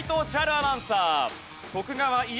アナウンサー。